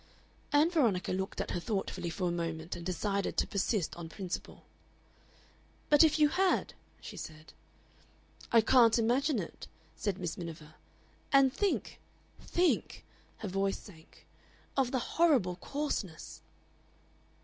Ann Veronica looked at her thoughtfully for a moment, and decided to persist on principle. "But if you had?" she said. "I can't imagine it," said Miss Miniver. "And think, think" her voice sank "of the horrible coarseness!"